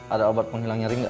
ada obat penghilang nyeri gak